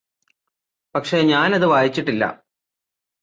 പക്ഷെ ഞാനത് വായിച്ചിട്ടില്ലാ